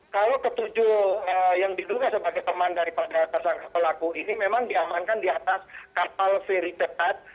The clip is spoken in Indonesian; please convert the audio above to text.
kalau ketujuh yang diduga sebagai teman daripada tersangka pelaku ini memang diamankan di atas kapal feri ketat